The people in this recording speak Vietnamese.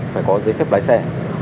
phải có giới phép lái xe